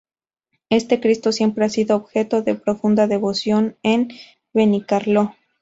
Este Cristo siempre ha sido objeto de profunda devoción en Benicarló.